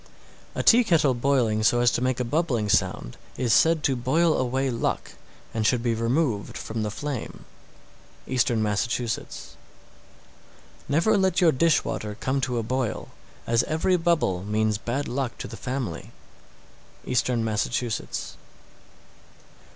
_ 676. A tea kettle boiling so as to make a bubbling sound is said to boil away luck, and should be removed from the flame. Eastern Massachusetts. 677. Never let your dish water come to a boil, as every bubble means bad luck to the family. _Eastern Massachusetts.